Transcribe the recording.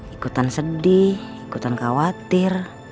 ikutan sedih ikutan khawatir